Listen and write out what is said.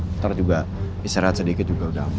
ntar juga bisa rehat sedikit juga udah aman